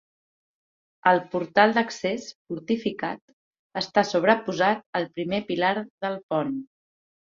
El portal d'accés, fortificat, està sobreposat al primer pilar del pont.